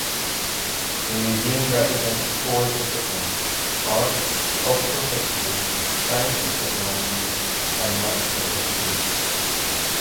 The museum represents four disciplines: art, cultural history, science and technology, and natural history.